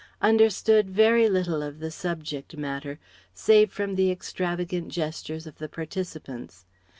understood very little of the subject matter, save from the extravagant gestures of the participants.